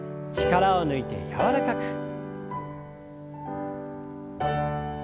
力を抜いて柔らかく。